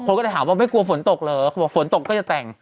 ก็จะถามว่าไม่กลัวฝนตกเหรอเขาบอกฝนตกก็จะแต่ง